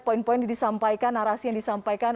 poin poin disampaikan narasi yang disampaikan